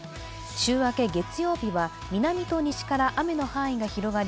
週明け月曜日は南と西から雨の範囲が広がり